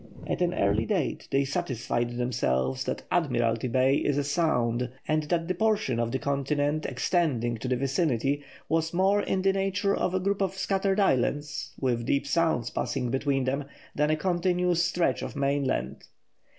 At an early date they satisfied themselves that Admiralty Bay is a Sound, and that the portion of the continent extending to the vicinity was more in the nature of a group of scattered islands, with deep sounds passing between them, than a continuous stretch of mainland.